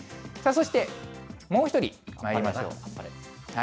そして、もう一人まいりましょう。